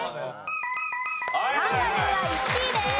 カンガルーは１位です。